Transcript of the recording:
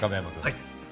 はい。